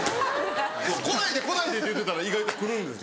来ないで来ないでって言ってたら意外と来るんです。